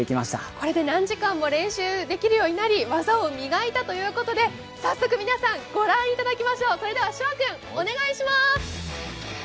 これで何時間も練習できるようになり、技を磨いたということで早速皆さん、ご覧いただきましょう翔海君お願いします。